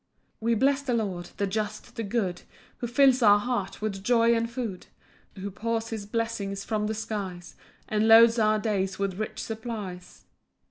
1 We bless the Lord, the just, the good, Who fills our hearts with joy and food; Who pours his blessings from the skies, And loads our days with rich supplies.